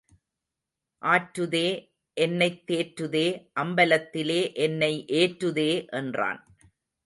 ஆற்றுதே, என்னைத் தேற்றுதே, அம்பலத்திலே என்னை ஏற்றுதே என்றான்.